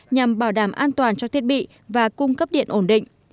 nhằm bảo đảm an toàn cho thiết bị và cung cấp điện ổn định